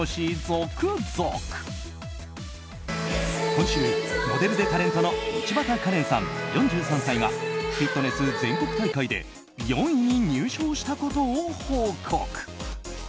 今週、モデルでタレントの道端カレンさん、４３歳がフィットネス全国大会で４位に入賞したことを報告。